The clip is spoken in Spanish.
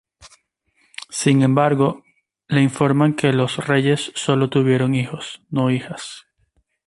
Sin embargo, le informan que los reyes sólo tuvieron hijos, no hijas.